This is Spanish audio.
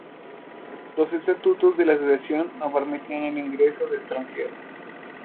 Los estatutos de la asociación no permitían el ingreso de extranjeros.